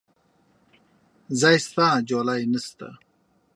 ځاى سته ، جولايې نسته.